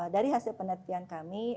dari hasil penelitian kami